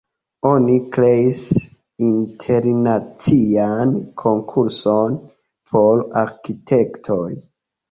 Oni kreis internacian konkurson por arkitektoj.